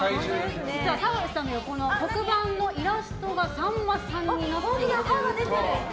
実は澤部さんの横の黒板のイラストがさんまさんになっていると。